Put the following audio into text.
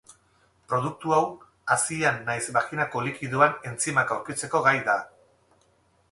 Produktu hau, hazian nahiz baginako likidoan entzimak aurkitzeko gai da.